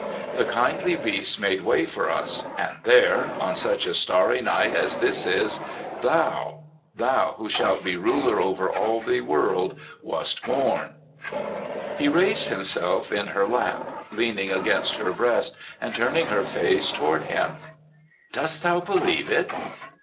The kindly beasts made way for us and there, on such a starry night as this is, thou — thou who shalt be ruler over all the world, wast born.*' He raised himself in her lap, lean 32 THE SEVENTH CHRISTMAS ing against her breast and turning her face toward him. " Dost thou believe it?'